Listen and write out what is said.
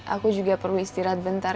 aku juga perlu istirahat sebentar